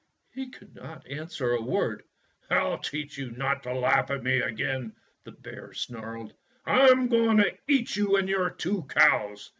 He could not answer a word. "I 'll teach you not to laugh at me again," the bear snarled. "I'm going to eat you and your two cows."